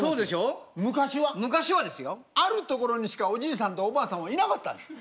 昔はあるところにしかおじいさんとおばあさんはいなかった。